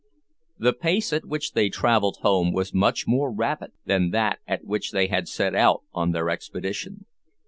The pace at which they travelled home was much more rapid than that at which they had set out on their expedition.